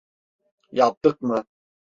Yaptık mı?